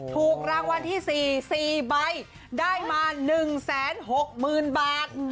ถูกรางวัลที่๔๔ใบได้มา๑๖๐๐๐บาท